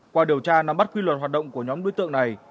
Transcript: qua điều tra nắm bắt quy luật hoạt động của nhóm đối tượng này